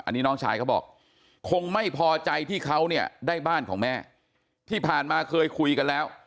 อันนี้น้องชายเขาบอกคงไม่พอใจที่เขาเนี่ยได้บ้านของแม่ที่ผ่านมาเคยคุยกันแล้ว